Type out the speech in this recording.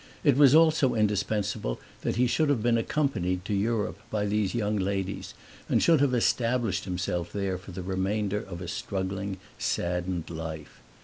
It was also indispensable that he should have been accompanied to Europe by these young ladies and should have established himself there for the remainder of a struggling, saddened life.